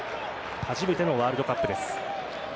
初めてのワールドカップです。